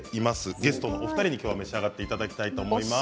ゲストのお二人に召し上がっていただきたいと思います。